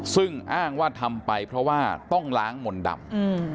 ซึ่งอ้างว่าทำไปเพราะว่าต้องล้างมนต์ดำ